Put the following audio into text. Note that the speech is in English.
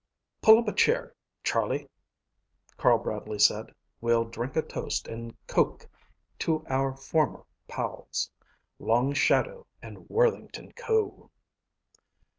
"Pull up a chair, Charlie," Carl Bradley said. "We'll drink a toast in coke to our former pals. Long Shadow and Worthington Ko."